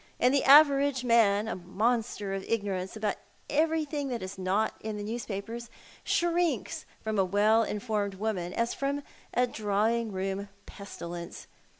And the average man— a monster of ignorance about everything that is not in the newspapers shrinks from a well informed woman as from a drawing room pestilence.